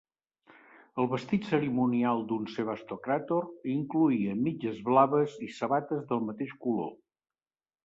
El vestit cerimonial d'un sebastocràtor incloïa mitges blaves i sabates del mateix color.